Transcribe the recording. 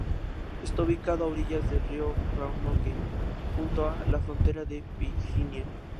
Está ubicado a orillas del río Roanoke, junto a la frontera con Virginia.